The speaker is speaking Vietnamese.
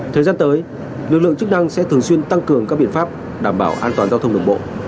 thời gian tới lực lượng chức năng sẽ thường xuyên tăng cường các biện pháp đảm bảo an toàn giao thông đường bộ